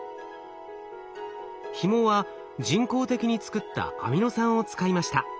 ひもは人工的に作ったアミノ酸を使いました。